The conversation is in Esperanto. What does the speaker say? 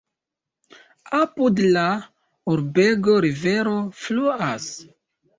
Apud la urbego rivero fluas.